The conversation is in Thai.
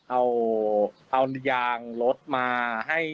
เอายางรถมา